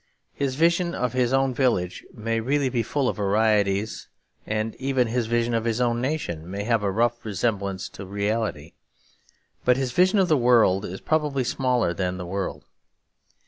His vision of his own village may really be full of varieties; and even his vision of his own nation may have a rough resemblance to the reality. But his vision of the world is probably smaller than the world.